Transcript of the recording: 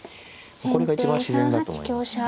これが一番自然だと思います。